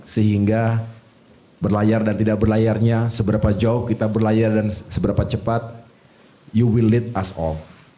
sehingga berlayar dan tidak berlayarnya seberapa jauh kita berlayar dan seberapa cepat you willit us all